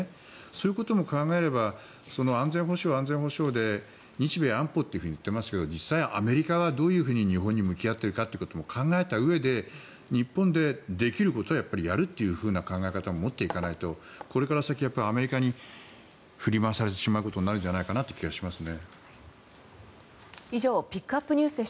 そういうことも考えれば安全保障、安全保障で日米安保といっていますが実際、アメリカはどういうふうに日本に向き合っているかということも考えたうえで日本でできることをやるという考え方も持っていかないとこれから先アメリカに振り回されることになるんじゃないかなという気がします。